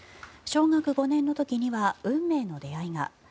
小学５年の時には運命の出会いが。